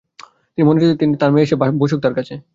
মনে হচ্ছে তিনি চাচ্ছেন তাঁর মেয়ে এসে বসুক তাঁর কাছে।